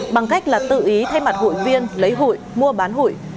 bằng cách là tự ý thay mặt hụi viên lấy hụi mua bán hụi